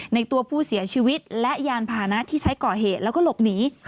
ในตัวผู้เสียชีวิตและยานพานะที่ใช้ก่อเหตุแล้วก็หลบหนี